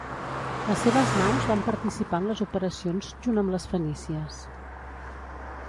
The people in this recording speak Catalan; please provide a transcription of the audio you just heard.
Les seves naus van participar en les operacions junt amb les fenícies.